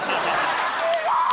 すごい！